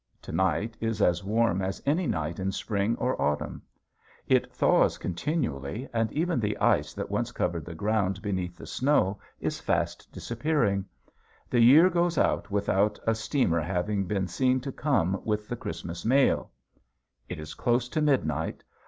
To night is as warm as any night in spring or autumn. It thaws continually and even the ice that once covered the ground beneath the snow is fast disappearing. The year goes out without a steamer having been seen to come with the Christmas mail. It is close to midnight.